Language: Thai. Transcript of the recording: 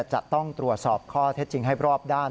จะต้องตรวจสอบข้อเท็จจริงให้รอบด้าน